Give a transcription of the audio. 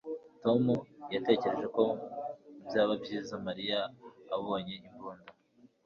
Tom yatekereje ko byaba byiza Mariya abonye imbunda